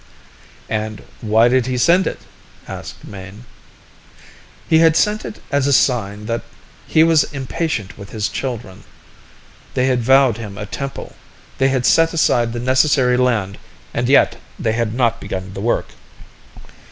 "And why did he send it?" asked Mayne. He had sent it as a sign that he was impatient with his children. They had vowed him a temple, they had set aside the necessary land, and yet they had not begun the work.